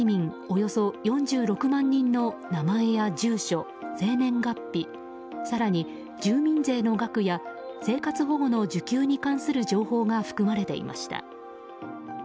およそ４６万人の名前や住所、生年月日更に住民税の額や生活保護の受給に関する情報が含まれていました。